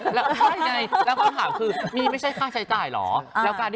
ใช่ซึ่งคอมหาคือนี่ไม่ใช่ค่าใช้จ่ายเหรอ